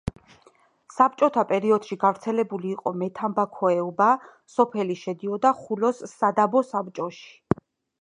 საბჭოთა პერიოდში გავრცელებული იყო მეთამბაქოეობა, სოფელი შედიოდა ხულოს სადაბო საბჭოში.